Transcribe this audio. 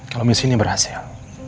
kalo misi ini berhasil